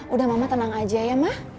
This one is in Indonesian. udah mama tenang aja ya mah